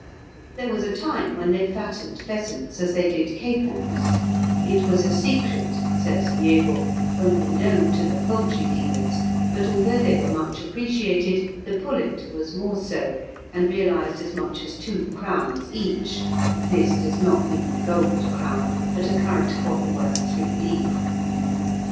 There was a time when they fattened pheasants as they did capons; it was a secret, says Liébault, only known to the poultry dealers; but although they were much appreciated, the pullet was more so, and realised as much as two crowns each (this does not mean the gold crown, but a current coin worth three livres).